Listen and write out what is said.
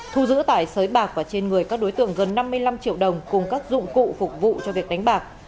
thu giữ tại sới bạc và trên người các đối tượng gần năm mươi năm triệu đồng cùng các dụng cụ phục vụ cho việc đánh bạc